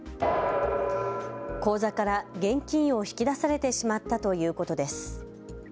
口座から現金を引き出されてしまったということです。